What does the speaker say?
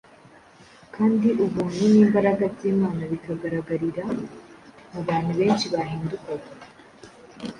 kandi ubuntu n’imbaraga by’Imana bikagaragarira mu bantu benshi bahindukaga.